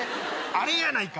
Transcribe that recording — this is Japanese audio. あれやないか！